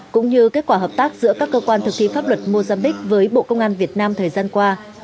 cũng như kết quả hợp tác giữa các cơ quan thực thi pháp luật mozambique với bộ công an việt nam thời gian qua